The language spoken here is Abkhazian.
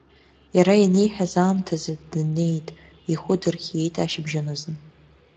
Иара ениҳәаз аамҭазы дынеит, ихәы дырхиеит ашьыбжьон азы.